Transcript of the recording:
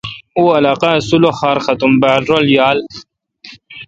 اوں علاقہ سلخار ختم بال رل یال۔